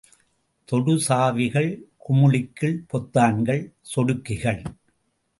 தொடுசாவிகள், குமிழிகள், பொத்தான்கள், சொடுக்கிகள்.